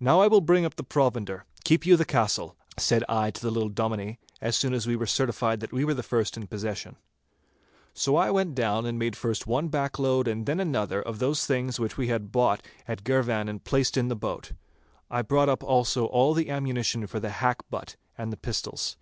'Now I will bring up the provender. Keep you the castle,' said I to the little Dominie, as soon as we were certified that we were first in possession. So I went down and made first one backload and then another of those things which we had bought at Girvan and placed in the boat. I brought up also all the ammunition for the hackbutt and the pistols.